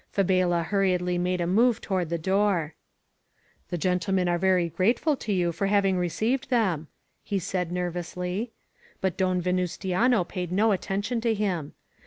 Fabela hurriedly made a move toward the door. "The gentlemen are very grateful to you for hav ing received them,*' he said, nervously. But Don Ve nustiano paid no attention to him.